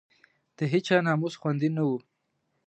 د هېچا ناموس خوندي نه وو.